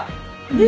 え！